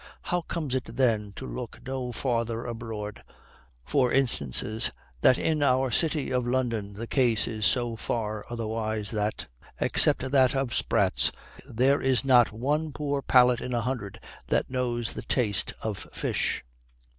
How comes it then, to look no farther abroad for instances, that in our city of London the case is so far otherwise that, except that of sprats, there is not one poor palate in a hundred that knows the taste of fish?